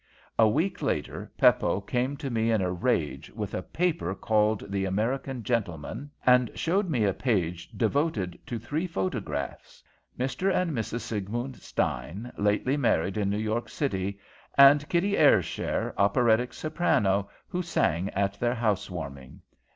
"A week later Peppo came to me in a rage, with a paper called The American Gentleman, and showed me a page devoted to three photographs: Mr. and Mrs. Siegmund Stein, lately married in New York City, and Kitty Ayrshire, operatic soprano, who sang at their house warming.